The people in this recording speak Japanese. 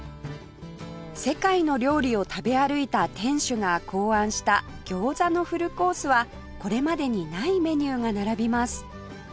世界の料理を食べ歩いた店主が考案した餃子のフルコースはこれまでにないメニューが並びます